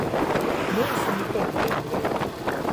Myusu nikod najam leidza.